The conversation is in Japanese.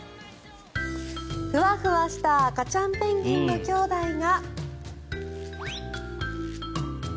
フワフワした赤ちゃんペンギンのきょうだいが。